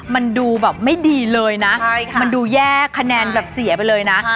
มันดูแบบไม่ดีเลยนะมันดูแยกคะแนนแบบเสียไปเลยนะ